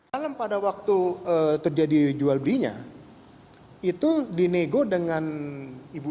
alam pada waktu terjadi jual belinya itu dinego dengan ibu